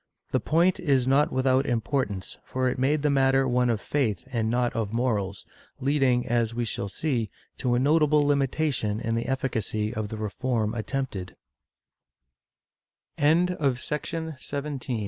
The point is not without importance, for it made the matter one of faith and not of morals, leading, as we shall see, to a notable limitation in the efficacy of the reform attempted. ' Archivo hist, nacional, Inq.